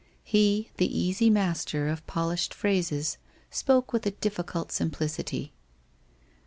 He, the easy master of polished phrases, spoke with a difficult simplicity.